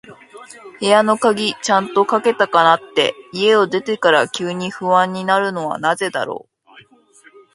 部屋の鍵、ちゃんとかけたかなって、家を出てから急に不安になるのはなぜだろう。